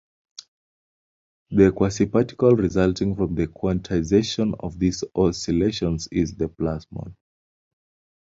The quasiparticle resulting from the quantization of these oscillations is the plasmon.